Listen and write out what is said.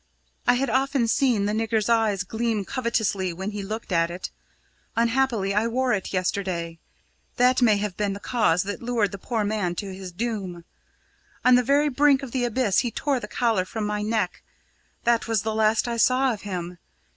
I had often seen the nigger's eyes gleam covetously when he looked at it. Unhappily, I wore it yesterday. That may have been the cause that lured the poor man to his doom. On the very brink of the abyss he tore the collar from my neck that was the last I saw of him.